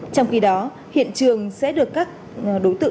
trong khi đó hiện trường sẽ được các đối tượng